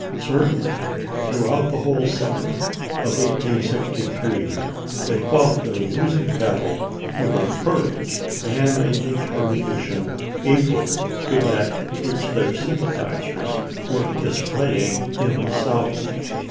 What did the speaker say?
Certainly, throughout the whole summer of 1863, they fought their losing battle with a courage and a determina tion equal to that which their sympathizers were displaying in the South.